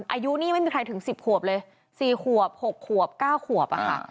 อายุหนี้ไม่มีใครถึงสิบขวบเลยสี่ขวบหกขวบก้าวขวบอะค่ะ